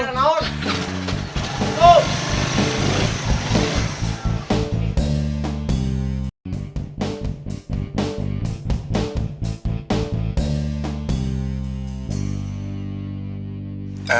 tuh tuh tuh